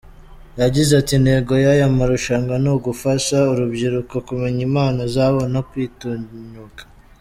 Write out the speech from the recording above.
Yagize ati” Intego y’aya marushanwa ni ugufasha urubyiruko kumenya impano zabo no kwitinyuka.